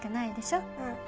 うん。